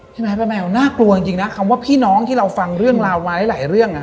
ใช่ไหมป้าแมวน่ากลัวจริงนะคำว่าพี่น้องที่เราฟังเรื่องราวมาหลายเรื่อง